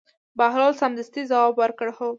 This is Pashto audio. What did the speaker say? بهلول سمدستي ځواب ورکړ: هو.